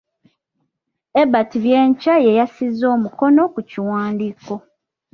Ebert Byenkya ye yassizza omukono ku kiwandiiko.